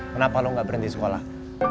kenapa lo nggak berhenti sekolah